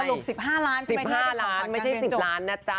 ถรุก๑๕ล้านไม่ใช่๑๐ล้านนะจ๊ะ